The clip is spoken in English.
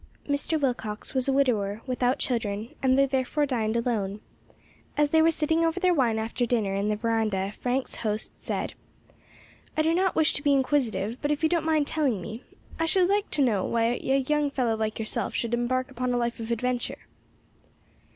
Mr. Willcox was a widower, without children, and they therefore dined alone. As they were sitting over their wine after dinner in the verandah, Frank's host said, "I do not wish to be inquisitive, but if you don't mind telling me, I should like to know why a young fellow like yourself should embark upon a life of adventure."